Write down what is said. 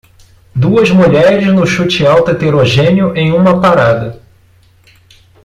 Duas mulheres no chute alto heterogéneo em uma parada.